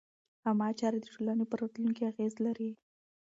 عامه چارې د ټولنې پر راتلونکي اغېز لري.